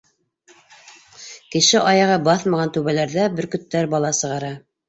Кеше аяғы баҫмаған түбәләрҙә бөркөттәр бала сығара.